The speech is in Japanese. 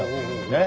ねっ。